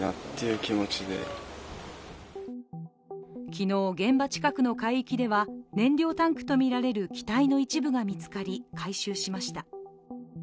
昨日、現場近くの海域では燃料タンクとみられる機体の一部が見つかり回収しました。